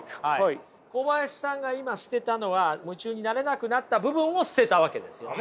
小林さんが今捨てたのは夢中になれなくなった部分を捨てたわけですよね？